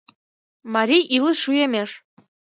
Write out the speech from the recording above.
Марий илыш уэмеш